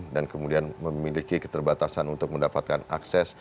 dan kemudian memiliki keterbatasan untuk mendapatkan akses